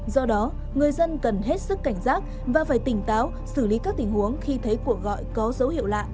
do đó người dân cần hết sức cảnh giác và phải tỉnh táo xử lý các tình huống khi thấy cuộc gọi có dấu hiệu lạ